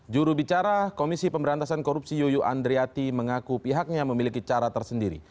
juru bicara komisi pemberantasan korupsi yuyuk andriati mengaku pihaknya memiliki cara tersendiri